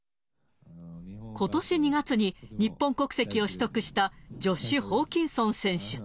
ことし２月に日本国籍を取得したジョシュ・ホーキンソン選手。